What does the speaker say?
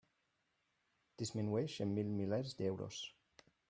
Disminueix en mil milers d'euros.